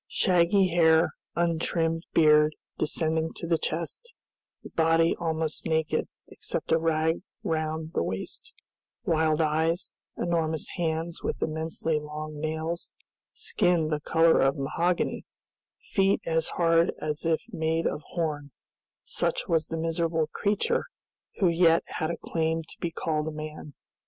Shaggy hair, untrimmed beard descending to the chest, the body almost naked except a rag round the waist, wild eyes, enormous hands with immensely long nails, skin the color of mahogany, feet as hard as if made of horn, such was the miserable creature who yet had a claim to be called a man.